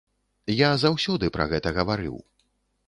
Я заўсёды пра гэта гаварыў.